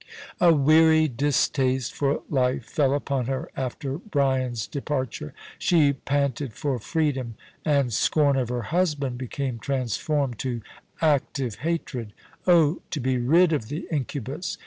A weary distaste for life fell upon her after Brian's de parture. She panted for freedom, and scorn of her husband became transformed to active hatred. Oh to be rid of the incubus